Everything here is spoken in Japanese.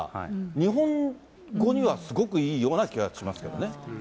日本語にはすごくいいような気がしますけどね。